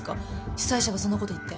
主催者がそんな事を言って。